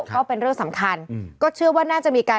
ก็เป็นเรื่องสำคัญก็เชื่อว่าน่าจะมีการ